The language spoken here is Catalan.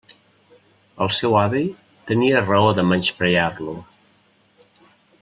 El seu avi tenia raó de menysprear-lo.